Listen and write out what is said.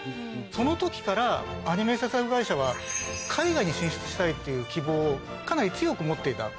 そのときからアニメ制作会社は海外に進出したいっていう希望をかなり強く持っていた。